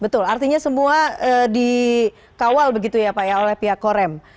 betul artinya semua dikawal begitu ya pak ya oleh pihak korem